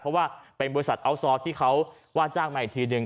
เพราะว่าเป็นบริษัทอัลซอร์ทที่เขาวาดจ้างใหม่ทีนึง